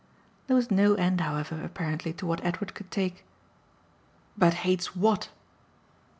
There was no end however, apparently, to what Edward could take. "But hates what?"